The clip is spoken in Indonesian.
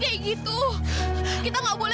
saya di jemput